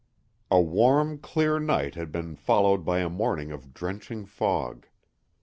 IV A WARM, clear night had been followed by a morning of drenching fog.